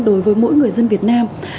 đối với mỗi người dân việt nam